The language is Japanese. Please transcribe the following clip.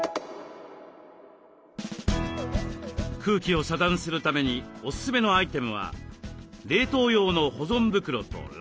空気を遮断するためにおすすめのアイテムは冷凍用の保存袋とラップ。